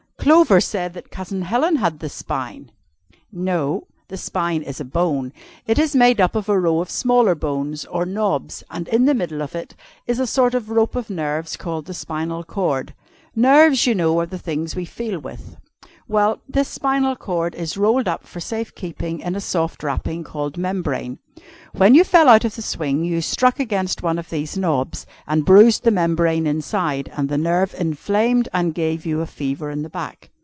"Clover said that Cousin Helen had the spine!" "No the spine is a bone. It is made up of a row of smaller bones or knobs and in the middle of it is a sort of rope of nerves called the spinal cord. Nerves, you know, are the things we feel with. Well, this spinal cord is rolled up for safe keeping in a soft wrapping, called membrane. When you fell out of the swing, you struck against one of these knobs, and bruised the membrane inside, and the nerve inflamed, and gave you a fever in the back.